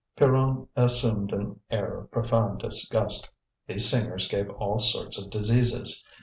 Pierronne assumed an air of profound disgust. These singers gave all sort of diseases.